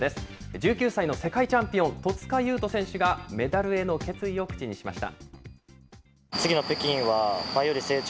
１９歳の世界チャンピオン、戸塚優斗選手がメダルへの決意を口にしました。